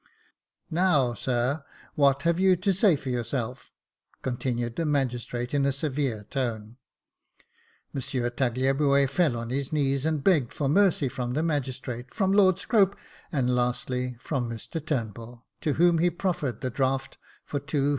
"Now, sir, what have you to say for yourself?" con tinued the magistrate in a severe tone. M. Tagliabue fell on his knees, and begged for mercy from the magis trate, from Lord Scrope, and, lastly, from Mr Turnbull, to whom he proffered the draft for ^200.